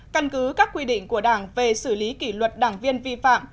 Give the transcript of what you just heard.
căn cứ các quy định của đảng về xử lý kỷ luật đảng viên vi phạm